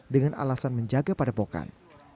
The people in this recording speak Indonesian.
dengan alasan menjaga padepokan